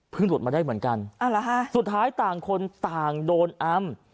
เพิ่งหลุดมาได้เหมือนกันอ่าล่ะฮะสุดท้ายต่างคนต่างโดนอ้ำ